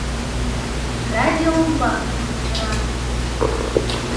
Радио умбакыже кычкыра: